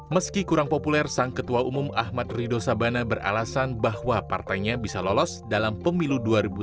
meski kurang populer sang ketua umum ahmad rido sabana beralasan bahwa partainya bisa lolos dalam pemilu dua ribu sembilan belas